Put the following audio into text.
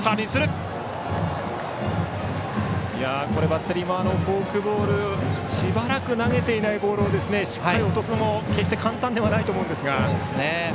バッテリーもフォークボールしばらく投げていないボールをしっかり落とすのも決して簡単ではないと思うんですが。